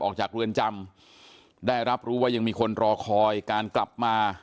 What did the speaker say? ออกจากเรือนจำได้รับรู้ว่ายังมีคนรอคอยการกลับมา